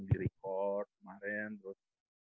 di record kemarin terus